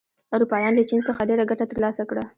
اروپایان له چین څخه ډېره ګټه تر لاسه کړه.